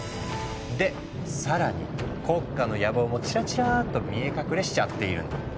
で更に国家の野望もチラチラッと見え隠れしちゃっているの。